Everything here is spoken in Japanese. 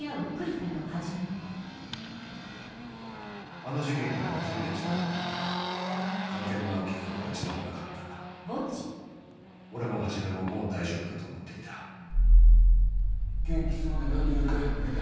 あの事件から２０年近く「菅研」の名を聞くことは一度もなかった俺も始ももう大丈夫だと思っていた元気そうで何よりだよ栗田。